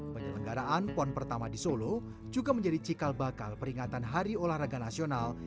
penyelenggaraan pon pertama di solo juga menjadi cikal bakal peringatan hari olahraga nasional